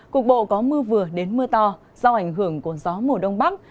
cục bộ có mưa vừa đến mưa to do ảnh hưởng của gió mùa đông bắc